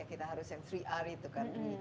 kita harus yang tiga r itu kan